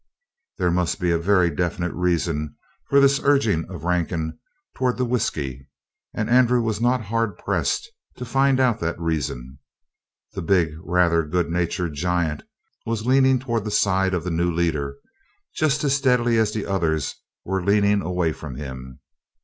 There must be a very definite reason for this urging of Rankin toward the whisky, and Andrew was not hard pressed to find out that reason. The big, rather good natured giant was leaning toward the side of the new leader, just as steadily as the others were leaning away from him.